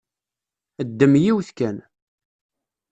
Ddem yiwet kan.